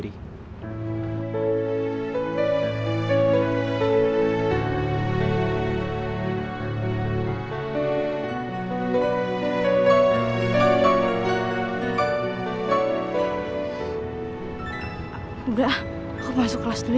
ya emang salah kalo kangen sama pacar sendiri